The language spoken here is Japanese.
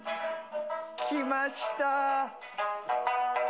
きました。